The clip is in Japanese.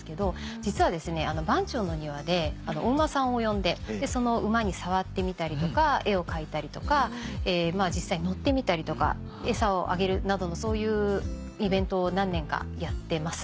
実は番町の庭でお馬さんを呼んでその馬に触ってみたりとか絵を描いたりとか実際に乗ってみたりとか餌をあげるなどのそういうイベントを何年かやってます。